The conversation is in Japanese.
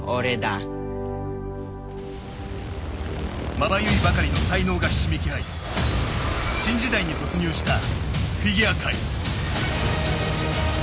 まばゆいばかりの才能がひしめき合い新時代に突入したフィギュア界。